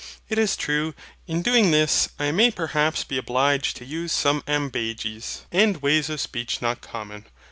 It is true, in doing this, I may perhaps be obliged to use some AMBAGES, and ways of speech not common.